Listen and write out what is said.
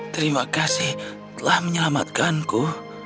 terima kasih telah menyelamatkanku